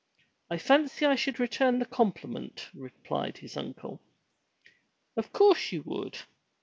"I fancy I should return the compliment," replied his uncle. "Of course you would.